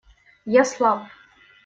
Я слаб.